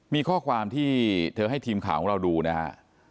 มีข้อความที่เธอให้ทีมข่าวของเราดูนะฮะ